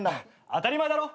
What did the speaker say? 当たり前だろ。